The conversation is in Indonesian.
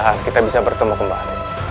alhamdulillah kita bisa bertemu kembali